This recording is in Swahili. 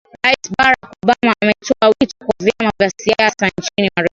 rais barack obama ametoa wito kwa vyama vya siasa nchini marekani